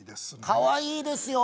かわいいですよ